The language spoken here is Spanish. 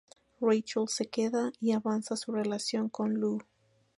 Rachel se queda y avanza su relación con Lou.